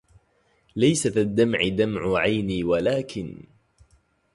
ليس ذا الدمع دمع عيني ولكن